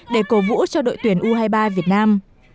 để cầu vũ cho đội tuyển u hai mươi ba việt nam